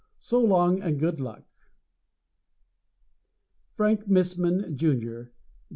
So long and good luck. Frank Missman, Jr.